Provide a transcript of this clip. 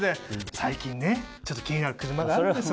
最近ねちょっと気になる車があるんですよ